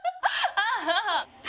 ああ！